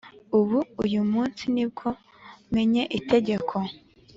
ubu uyu munsi nibwo menye itegeko